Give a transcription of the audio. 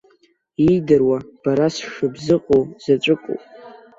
Иидыруа, бара сшыбзыҟоу заҵәыкоуп.